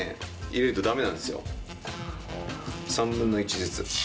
３分の１ずつ。